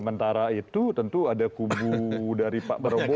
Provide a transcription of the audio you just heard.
sementara itu tentu ada kubu dari pak prabowo